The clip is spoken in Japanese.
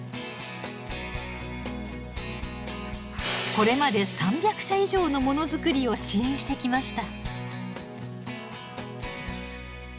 これまで３００社以上のものづくりを支援してきました。